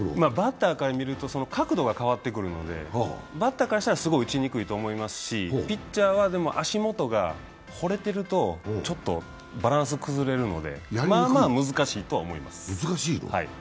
バッターから見ると角度が変わってくるのでバッターからしたら、すごく打ちにくいと思いますし、ピッチャーは足元が掘れてるとバランス崩れるので、まあまあ難しいと思います。